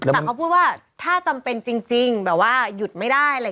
ก็พูดว่าถ้าจำเป็นจริงแบบว่าหยุดไม่ได้